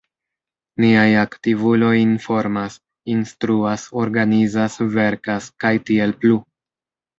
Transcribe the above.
Niaj aktivuloj informas, instruas, organizas, verkas, kaj tiel plu.